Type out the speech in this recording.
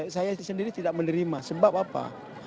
saya sendiri tidak menerima sebab apa